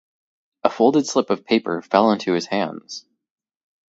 A folded slip of paper fell into his hands.